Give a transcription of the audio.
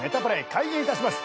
開演いたします。